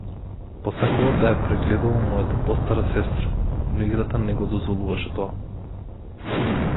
Посакував да ја прегледувам мојата постара сестра, но играта не го дозволуваше тоа.